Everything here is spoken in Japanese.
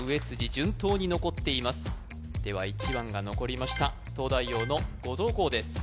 順当に残っていますでは１番が残りました東大王の後藤弘です